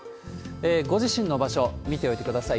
ご自身の場所、見ておいてください。